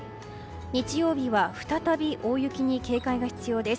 日曜日は再び大雪に警戒が必要です。